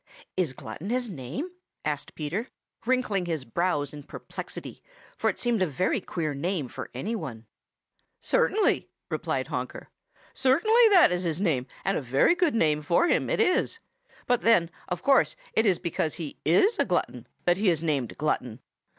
"Is Glutton his name?" asked Peter, wrinkling his brows in perplexity, for it seemed a very queer name for any one. "Certainly," replied Honker. "Certainly that is his name, and a very good name for him it is. But then of course it is because he is a glutton that he is named Glutton.